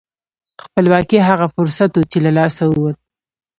خپلواکي هغه فرصت و چې له لاسه ووت.